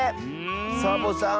サボさん